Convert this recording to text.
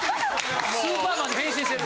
スーパーマンに変身してる。